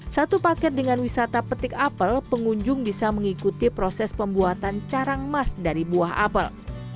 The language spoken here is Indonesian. satu paket dengan wisata petik apel pengunjung bisa mengikuti proses pembuatan carang emas dari buah apel